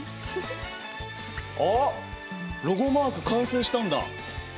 あっロゴマーク完成したんだ。